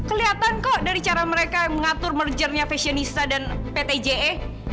kelihatan kok dari cara mereka mengatur mergernya fashionista dan pt je